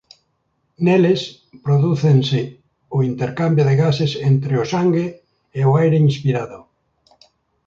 Neles prodúcese o intercambio de gases entre o sangue e o aire inspirado.